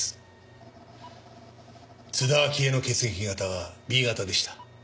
津田明江の血液型はＢ型でした。